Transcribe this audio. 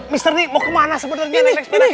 mister ini mau ke mana sebenarnya naik sepeda kayak gini